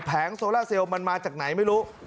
งโซล่าเซลลมันมาจากไหนไม่รู้